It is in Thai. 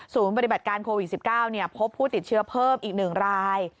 ปฏิบัติการโควิด๑๙พบผู้ติดเชื้อเพิ่มอีก๑ราย